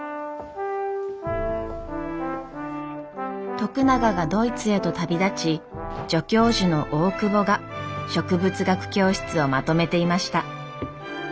徳永がドイツへと旅立ち助教授の大窪が植物学教室をまとめていました。